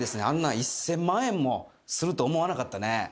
あんなん１，０００万円もすると思わなかったね。